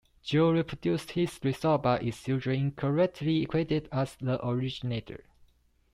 Joule reproduced his results but is usually incorrectly credited as the originator.